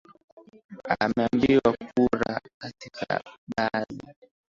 a wameibiwa kura katika baadhi